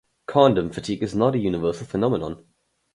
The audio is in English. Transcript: Condom fatigue is not a universal phenomenon.